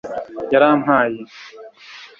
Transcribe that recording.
yarampaye